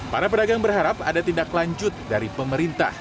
para pedagang berharap ada tindak lanjut dari pemerintah